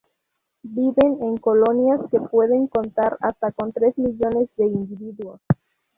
Viven en colonias que pueden contar hasta con tres millones de individuos.